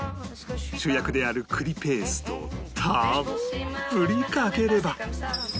主役である栗ペーストをたっぷりかければ